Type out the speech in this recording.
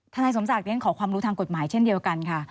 นายสมศักดิ์ขอความรู้ทางกฎหมายเช่นเดียวกันค่ะ